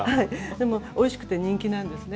でもおいしくて人気なんですね。